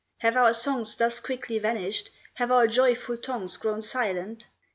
Have our songs thus quickly vanished, Have our joyful tongues grown silent?